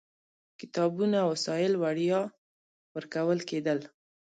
کتابونه او وسایل وړیا ورکول کېدل.